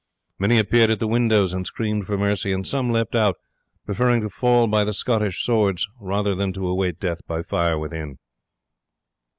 Many appeared at the windows and screamed for mercy, and some leapt out, preferring to fall by the Scottish swords rather than to await death by fire within.